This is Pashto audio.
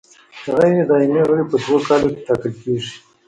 غیر دایمي غړي په دوو کالو کې ټاکل کیږي.